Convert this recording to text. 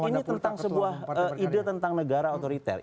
ini tentang sebuah ide tentang negara otoriter